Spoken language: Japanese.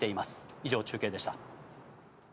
以上、中継でした。